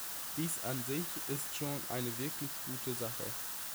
Dies an sich ist schon eine wirklich gute Sache.